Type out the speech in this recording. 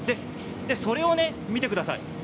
それを見てください。